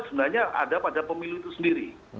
sebenarnya ada pada pemilu itu sendiri